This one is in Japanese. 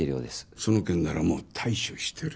その件ならもう対処してる。